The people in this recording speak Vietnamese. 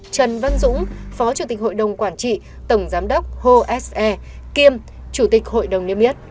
trần văn dũng phó chủ tịch hội đồng quản trị tổng giám đốc hồ s e kiêm chủ tịch hội đồng niêm yết